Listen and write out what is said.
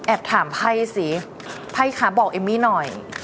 ถามไพ่สิไพ่คะบอกเอมมี่หน่อย